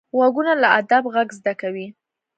غوږونه له ادب غږ زده کوي